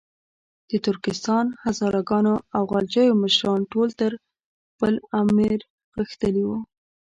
د ترکستان، هزاره ګانو او غلجیو مشران ټول تر خپل امیر غښتلي وو.